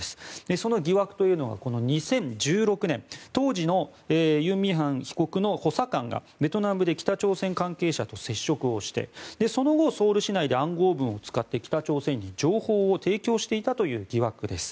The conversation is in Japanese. その疑惑というのが２０１６年当時のユン・ミヒャン被告の補佐官がベトナムで北朝鮮関係者と接触をしてその後、ソウル市内で暗号文を使って、北朝鮮に情報を提供していたという疑惑です。